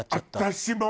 私も！